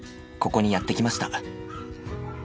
ここにやって来ました。